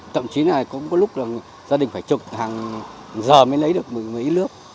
tậm chí là cũng có lúc là gia đình phải chụp hàng giờ mới lấy được một ít nước